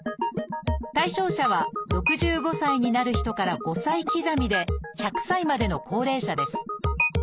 対象者は６５歳になる人から５歳刻みで１００歳までの高齢者です。